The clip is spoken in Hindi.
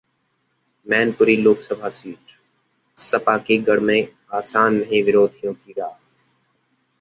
मैनपुरी लोकसभा सीट: सपा के गढ़ में आसान नहीं विरोधियों की राह!